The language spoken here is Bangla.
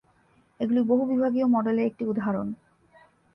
এগুলি বহু-বিভাগীয় মডেলের একটি উদাহরণ।